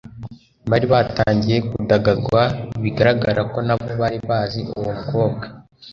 bari batangiye kudagadwa bigaragara ko na bo bari bazi uwo mukobwa